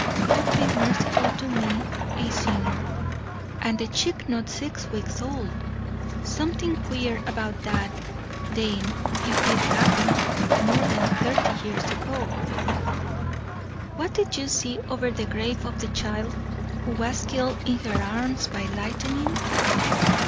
'God be merciful to me a sinner!' And the chick not six weeks old! Something queer about that, dame, if it did happen more than thirty years ago." "What did you see over the grave of the child who was killed in her arms by lightning?"